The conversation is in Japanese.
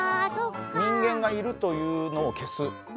人間がいるというのを消す。